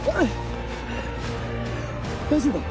大丈夫か？